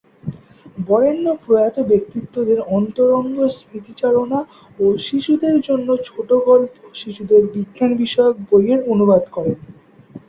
বরেণ্য প্রয়াত ব্যক্তিত্বদের অন্তরঙ্গ স্মৃতিচারণ ও শিশুদের জন্য ছোটগল্প, শিশুদের বিজ্ঞান বিষয়ক বইয়ের অনুবাদ করেন।